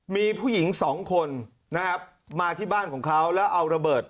มีผู้หญิงสองคนนะครับมาที่บ้านของเขาแล้วเอาระเบิด